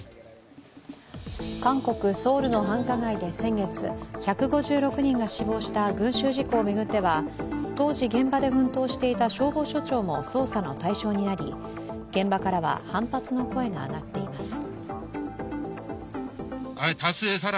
韓国ソウルの繁華街で先月、１５６人が死亡した群集事故を巡っては当時、現場で奮闘していた消防署長も捜査の対象になり現場からは反発の声が上がっています。